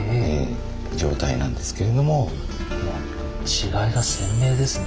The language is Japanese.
違いが鮮明ですね。